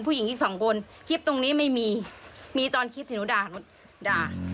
ผู้หญิงอีกสองคนคลิปตรงนี้ไม่มีมีตอนคลิปที่หนูด่าหนูด่า